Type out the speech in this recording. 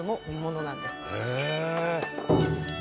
「へえ」